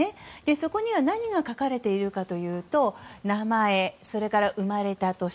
そこには何が書かれているかというと名前、生まれた年